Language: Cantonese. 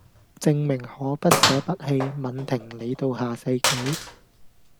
證明可不捨不棄吻停你到下世紀